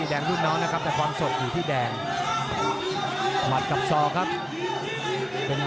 เจ็บนะครับทีนี้น้ำเงิน